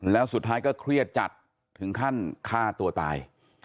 แล้วสุดท้ายก็เครียดจัดถึงขั้นฆ่าตัวตาย